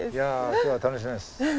今日は楽しみです。